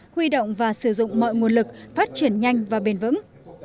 huy động và sử dụng mọi nguồn lực phát triển nhanh và bền vững